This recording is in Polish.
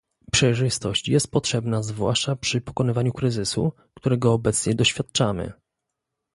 Przejrzystość jest potrzebna zwłaszcza przy pokonywaniu kryzysu, którego obecnie doświadczamy